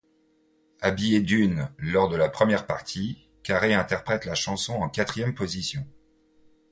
Habillée d'une lors de la première partie, Carey interprète la chanson en quatrième position.